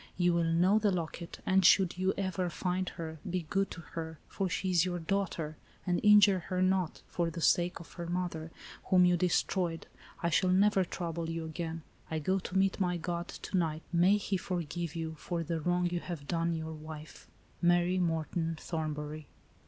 You will know the locket, and should you ever find her, be good to her, for she is your daughter, — and injure her not, for the sake of her mother, whom you de stroyed. I shall never trouble you again.. I go to meet my God, to* night. May He forgive you for the wrong you have done your wife. "Mary Morton Thornbury."